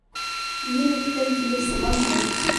Нилектән килеп сыға һуң ул?